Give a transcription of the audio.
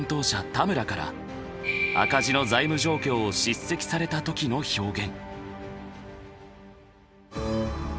田村から赤字の財務状況を叱責された時の表現。